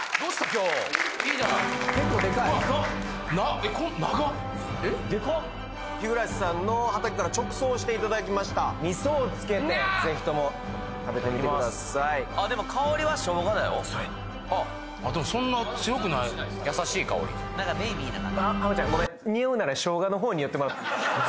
今日いいじゃない結構でかいえっ長っえっでかっ日暮さんの畑から直送していただきましたみそをつけてぜひとも食べてみてくださいあっでもそんな強くない優しい香りなんかベイビーな感じちゃんごめん匂うなら生姜のほう匂ってもらっていい？